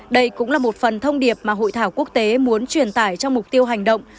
đây cũng là một phần thông điệp mà hội thảo quốc tế muốn truyền tải trong mục tiêu hành động